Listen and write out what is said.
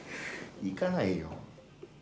行かないよ。